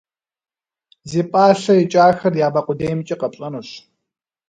Зи пӏалъэ икӏахэр я мэ къудеймкӏи къэпщӏэнущ.